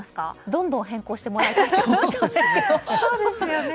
どんどん変更してもらいたいですね。